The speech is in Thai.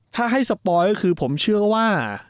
ถ้าให้สปอยก็คือผมเชื่อว่า